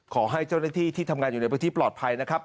ขอให้เจ้าหน้าที่ที่ทำงานอยู่ในพื้นที่ปลอดภัยนะครับ